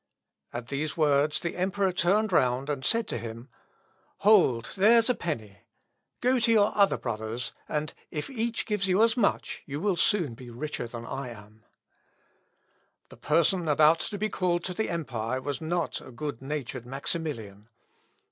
At these words the emperor turned round and said to him "Hold, there's a penny: go to your other brothers, and if each gives you as much, you will soon be richer than I am." L. Op. (W.) xxii, 1869. The person about to be called to the empire was not a good natured Maximilian.